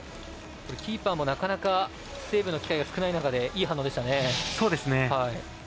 キーパーもなかなかセーブの機会が少ない中でいい反応でしたね。